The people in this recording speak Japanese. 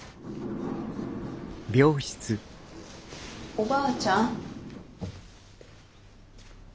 おばあちゃん？